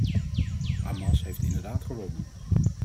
Hamas heeft inderdaad gewonnen.